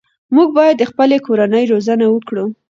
موږ باید د خپلې کورنۍ روزنه وکړو.